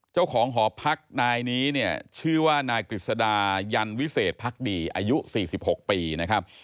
เจ้าของหอพักนายนี้เนี่ยชื่อว่านายกฤษดายันวิเศษพักดีอายุ๔๖ปีนะครับ